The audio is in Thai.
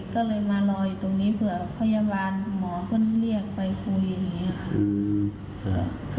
ก็เลยมารออยู่ตรงนี้เผื่อพยาบาลหมอก็เรียกไปคุยอย่างนี้ค่ะ